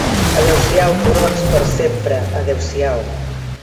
Adéu-siau, turons, per sempre adéu-siau